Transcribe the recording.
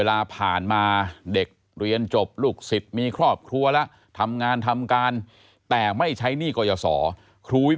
ยาท่าน้ำขาวไทยนครเพราะทุกการเดินทางของคุณจะมีแต่รอยยิ้ม